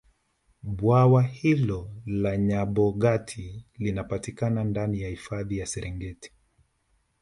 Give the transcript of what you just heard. bwawa hilo la nyabogati linapatikana ndani ya hifadhi ya serengeti